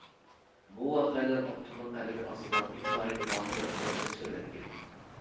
بۇ ۋەقەلەر ئاپتورنىڭ قەلىمى ئاستىدا ئىنتايىن ماھىرلىق بىلەن تەسۋىرلەنگەن.